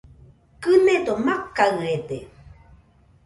Kɨnedo makaɨede